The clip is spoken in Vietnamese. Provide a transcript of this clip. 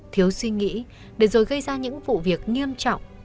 thiếu suy nghĩ để rồi gây ra những vụ việc nghiêm trọng